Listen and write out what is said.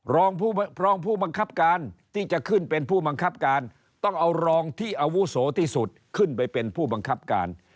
รองผู้รองผู้บังคับการที่จะขึ้นเป็นผู้บังคับการต้องเอารองที่อาวุโสที่สุดขึ้นไปเป็นผู้บังคับการ